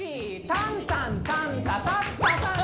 タンタンタンタタタッタタン。